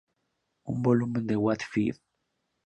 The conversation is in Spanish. Un volumen de "What If?